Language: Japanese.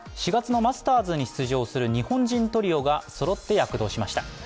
４月のマスターズに出場する日本人トリオがそろって躍動しました。